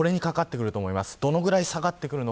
これにかかってくると思います。